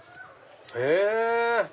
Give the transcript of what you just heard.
へぇ！